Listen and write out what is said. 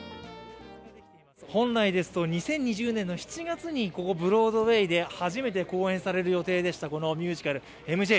本来ですと２０２０年の７月にここブロードウェイで初めて講演される予定でしたミュージカル「ＭＪ」。